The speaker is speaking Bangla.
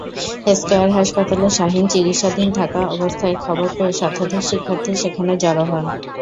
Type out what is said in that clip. স্কয়ার হাসপাতালে শাহীন চিকিৎসাধীন থাকা অবস্থায় খবর পেয়ে শতাধিক শিক্ষার্থী সেখানে জড়ো হন।